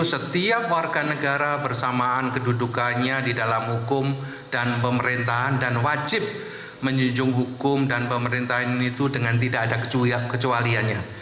setiap warga negara bersamaan kedudukannya di dalam hukum dan pemerintahan dan wajib menjunjung hukum dan pemerintahan itu dengan tidak ada kecualiannya